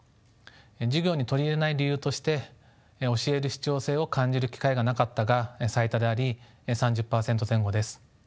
授業に取り入れない理由として「教える必要性を感じる機会がなかった」が最多であり３０％前後です。